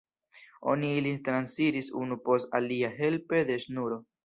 Oni ilin transiris unu post alia helpe de ŝnuro.